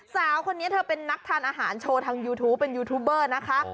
สาวคนนี้เธอเป็นนักทานอาหารโชว์ทางยูทูปเป็นยูทูบเบอร์นะคะ